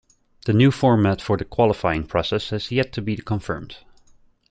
The new format for the qualifying process has yet to be confirmed.